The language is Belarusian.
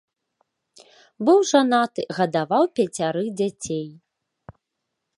Быў жанаты, гадаваў пяцярых дзяцей.